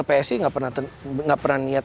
psi nggak pernah niat